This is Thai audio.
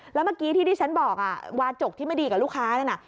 แล้วเมื่อกี้ที่ที่ฉันบอกวาจกที่ไม่ดีกับลูกค้านั่นน่ะ